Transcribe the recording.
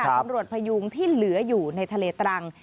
ตำรวจพยุงที่เหลืออยู่ในทะเลตรัง